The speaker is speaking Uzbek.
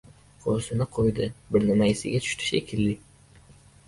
Xo‘rsinib qo‘ydi. Bir nima esiga tushdi shekilli.